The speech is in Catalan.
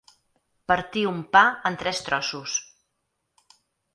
Partir un pa en tres trossos.